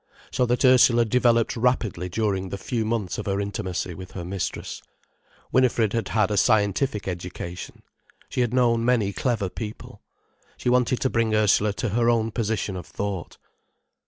So that Ursula developed rapidly during the few months of her intimacy with her mistress. Winifred had had a scientific education. She had known many clever people. She wanted to bring Ursula to her own position of thought.